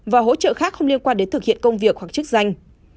và hỗ trợ khác không liên quan đến thực hiện công việc hoặc chức danh